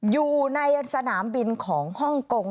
อยู่ในสนามบินของฮ่องกง